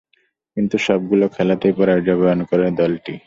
কিন্তু, সবগুলো খেলাতেই পরাজয়বরণ করে দলটি।